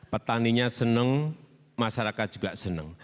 petaninya senang masyarakat juga senang